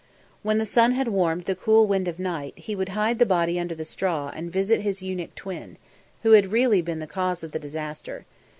When the sun had warmed the cool wind of night he would hide the body under the straw and visit his eunuch twin, who had really been the cause of the disaster.